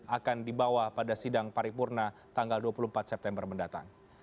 akan dibawa pada sidang paripurna tanggal dua puluh empat september mendatang